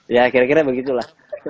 ya kira kira begitulah